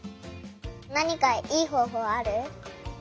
なにかいいほうほうある？